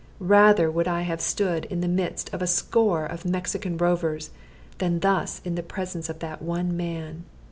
Rather would I have stood in the midst of a score of Mexican rovers than thus in the presence of that one man.